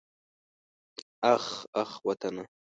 اخ اخ وطنه.